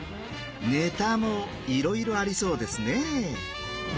ネタもいろいろありそうですねぇ。